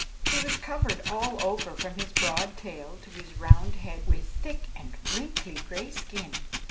He was covered all over from his broad tail to his round head with thick and wrinkly gray skin.